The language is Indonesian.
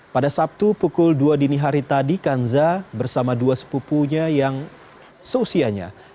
pada sabtu pukul dua dini hari tadi kanza bersama dua sepupunya yang seusianya